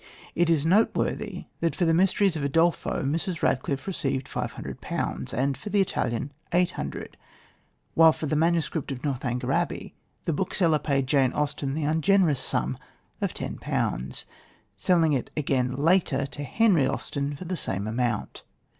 It is noteworthy that for the Mysteries of Udolpho Mrs. Radcliffe received £500, and for The Italian £800; while for the manuscript of Northanger Abbey, the bookseller paid Jane Austen the ungenerous sum of £10, selling it again later to Henry Austen for the same amount.